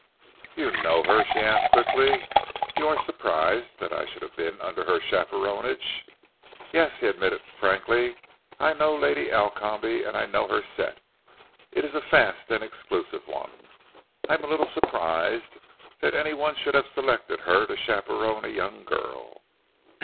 "You know her?" she asked quickly. "You are surprised that I should have been under her chaperonage?" "Yes," he admitted frankly. "I know Lady Alcombe, and I know her set. It is a fast and exclusive one. I am a little surprised that any one should have selected her to chaperone a young girl."